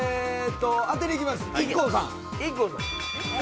当てにいきます、ＩＫＫＯさん。